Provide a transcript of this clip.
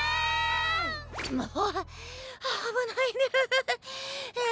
もうあぶないニャ。